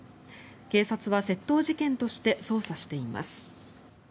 警察は窃盗事件として捜査しています。